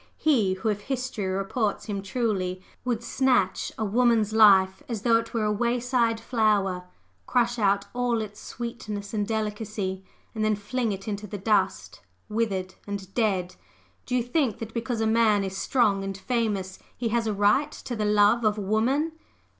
he who, if history reports him truly, would snatch a woman's life as though it were a wayside flower, crush out all its sweetness and delicacy, and then fling it into the dust withered and dead? Do you think that because a man is strong and famous, he has a right to the love of woman?